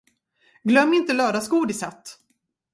Glöm inte lördagsgodiset!